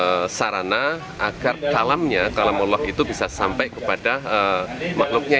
ada sarana agar kalamnya kalam allah itu bisa sampai kepada makhluknya